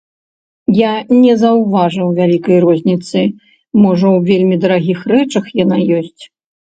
Я не заўважыў вялікай розніцы, можа, у вельмі дарагіх рэчах яна ёсць.